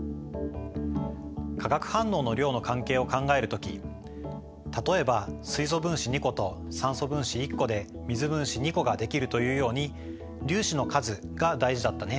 化学反応の量の関係を考えるとき例えば水素分子２個と酸素分子１個で水分子２個ができるというように粒子の数が大事だったね。